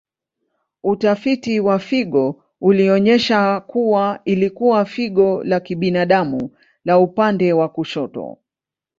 Utafiti wa figo ulionyesha kuwa ilikuwa figo la kibinadamu la upande wa kushoto.